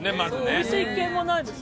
お店１軒もないですね。